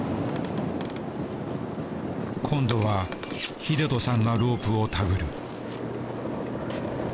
今度は英人さんがロープを手繰る。